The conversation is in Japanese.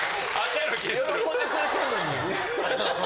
喜んでくれてんのに。